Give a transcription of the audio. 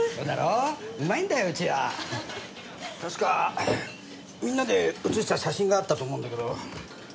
確かみんなで写した写真があったと思うんだけど。